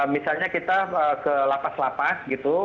misalnya kita ke lapas lapas gitu